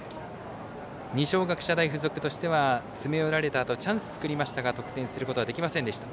二松学舎大付属としては詰め寄られたあとチャンス作りましたが得点することができませんでした。